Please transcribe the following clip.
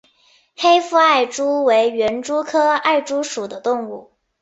黑腹艾蛛为园蛛科艾蛛属的动物。